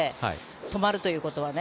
止まるということはね。